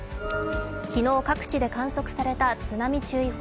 昨日、各地で観測された津波注意報。